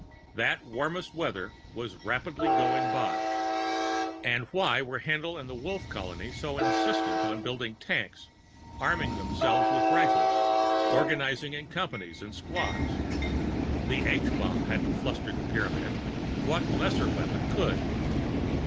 That warmest weather was rapidly going by. And why were Haendl and the Wolf colony so insistent on building tanks, arming themselves with rifles, organizing in companies and squads? The H bomb hadn't flustered the Pyramid. What lesser weapon could?